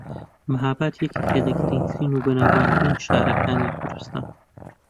مەھاباد یەکێکە لە گرنگترین و بەناوبانگترین شارەکانی کوردستان